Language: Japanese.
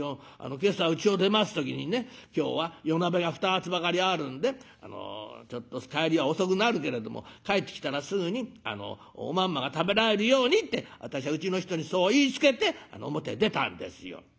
今朝うちを出ます時にね今日は夜なべが２つばかりあるんでちょっと帰りは遅くなるけれども帰ってきたらすぐにおまんまが食べられるようにって私はうちの人にそう言いつけて表へ出たんですよ」。